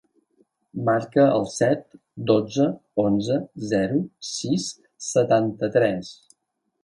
Marca el set, dotze, onze, zero, sis, setanta-tres.